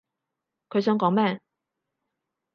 佢想講咩？